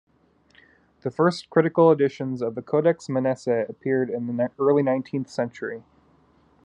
The first critical editions of the "Codex Manesse" appeared in the early nineteenth century.